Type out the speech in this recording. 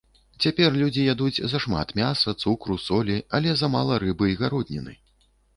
Цяпер людзі ядуць зашмат мяса, цукру, солі, але замала рыбы і гародніны.